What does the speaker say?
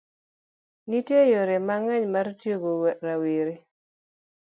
Nitie yore mang'eny mar tiego rawere.